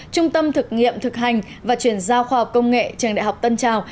trung tâm thực nghiệm thực hành và chuyển giao khoa học công nghệ trường đại học tân trào